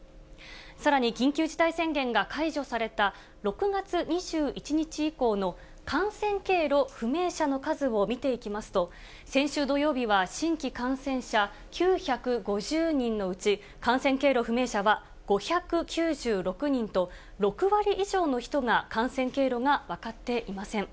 さらに緊急事態宣言が解除された６月２１日以降の感染経路不明者の数を見ていきますと、先週土曜日は新規感染者９５０人のうち、感染経路不明者は５９６人と、６割以上の人が感染経路が分かっていません。